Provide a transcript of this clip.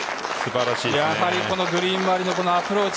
やはりこのグリーン周りのアプローチ。